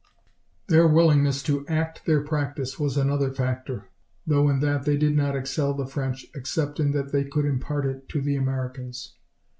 Their willingness to "act" their practice was another factor, though in that they did not excel the French except in that they could impart it to the Americans.